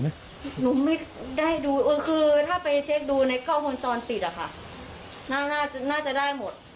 ไหมหนูไม่ได้ดูคือถ้าไปเช็คดูในกล้องพื้นตอนปิดอ่ะค่ะ